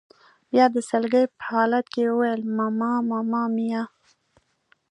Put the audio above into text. بیا د سلګۍ په حالت کې یې وویل: ماما ماما میا.